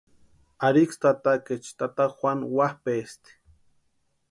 Ariksï tatakaecha tata Juanu wapʼaesti.